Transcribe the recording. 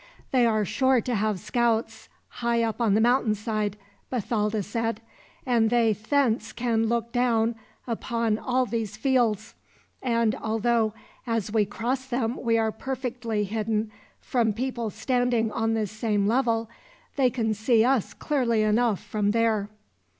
"They are sure to have scouts, high up on the mountainside," Bathalda said; "and they thence can look down upon all these fields; and although, as we cross them we are perfectly hidden from people standing on the same level, they can see us clearly enough from there."